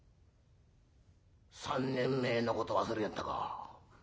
「３年前のこと忘れやがったか？